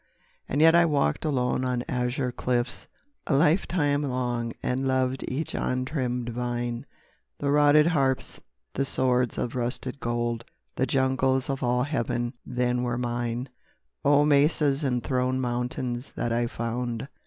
..... And yet I walked alone on azure cliffs A lifetime long, and loved each untrimmed vine: The rotted harps, the swords of rusted gold, The jungles of all Heaven then were mine. Oh mesas and throne mountains that I found!